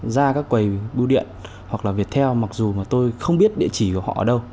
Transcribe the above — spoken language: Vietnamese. ra các quầy bưu điện hoặc là viettel mặc dù mà tôi không biết địa chỉ của họ ở đâu